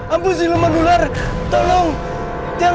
aku akan menganggap